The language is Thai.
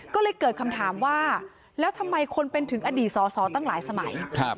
ก็เลยเกิดคำถามว่าแล้วทำไมคนเป็นถึงอดีตสอสอตั้งหลายสมัย